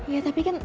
ya tapi kan